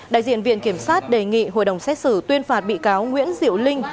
đại diện viện kiểm sát đề nghị hội đồng xét xử tuyên phạt bị cáo nguyễn diệu linh